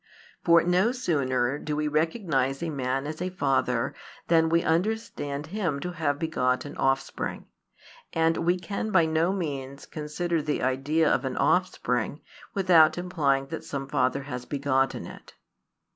For no sooner do we recognise a man as a father than we understand him to have begotten offspring, and we can by no means consider the idea of an offspring without implying that some father has begotten it.